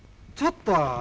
ちょっと。